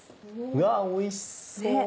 うわおいしそう！